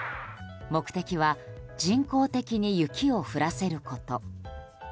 目的は人工的に雪を降らせること。